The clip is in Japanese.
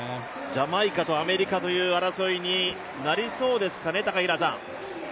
ジャマイカとアメリカという争いになりそうですかね。